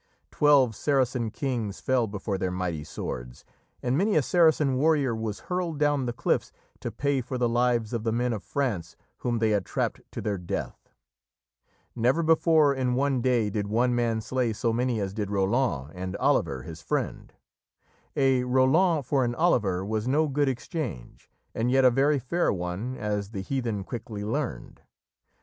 Twelve Saracen kings fell before their mighty swords, and many a Saracen warrior was hurled down the cliffs to pay for the lives of the men of France whom they had trapped to their death. Never before, in one day, did one man slay so many as did Roland and Oliver his friend "A Roland for an Oliver" was no good exchange, and yet a very fair one, as the heathen quickly learned.